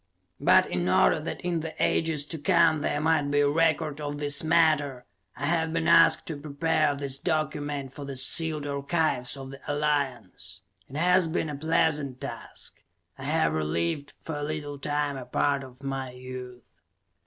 But, in order that in the ages to come there might be a record of this matter, I have been asked to prepare this document for the sealed archives of the Alliance. It has been a pleasant task; I have relived, for a little time, a part of my youth.